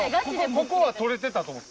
ここは取れてたと。